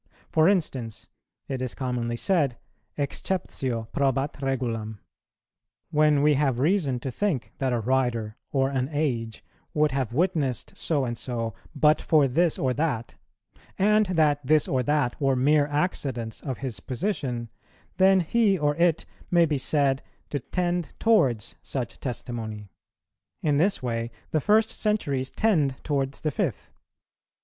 For instance, it is commonly said, Exceptio probat regulam; when we have reason to think that a writer or an age would have witnessed so and so, but for this or that, and that this or that were mere accidents of his position, then he or it may be said to tend towards such testimony. In this way the first centuries tend towards the fifth.